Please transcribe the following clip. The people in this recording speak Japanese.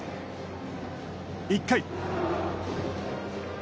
１回。